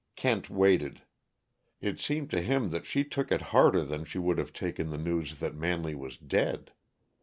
Kent waited. It seemed to him that she took it harder than she would have taken the news that Manley was dead.